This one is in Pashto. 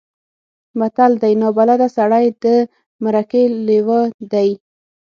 متل دی: نابلده سړی د مرکې لېوه دی.